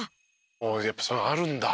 「おおやっぱそういうのあるんだ」